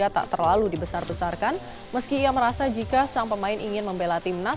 tak terlalu dibesar besarkan meski ia merasa jika sang pemain ingin membela timnas